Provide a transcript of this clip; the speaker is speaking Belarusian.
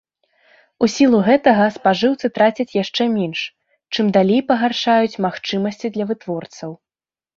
У сілу гэтага спажыўцы трацяць яшчэ менш, чым далей пагаршаюць магчымасці для вытворцаў.